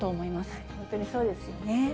本当にそうですよね。